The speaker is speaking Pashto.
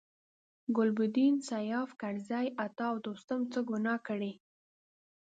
ګلبدین، سیاف، کرزي، عطا او دوستم څه ګناه کړې.